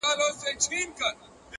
زموږ وطن كي اور بل دی ـ